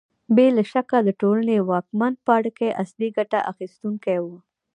بې له شکه د ټولنې واکمن پاړکي اصلي ګټه اخیستونکي وو